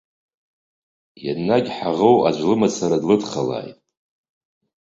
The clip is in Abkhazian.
Енагь ҳаӷоу аӡә лымацара длыдхалааит.